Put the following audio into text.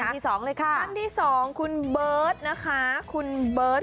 ถั้นที่๒คุณเบิร์ต